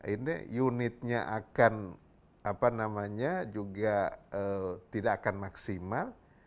ini unitnya akan apa namanya juga tidak akan maksimal